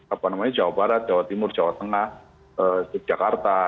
apa namanya jawa barat jawa timur jawa tengah yogyakarta